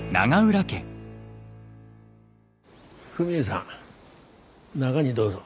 フミエさん中にどうぞ。